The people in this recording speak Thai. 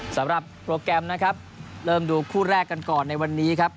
สำหรับโปรแกรมนะครับเริ่มดูคู่แรกกันก่อนในวันนี้ครับ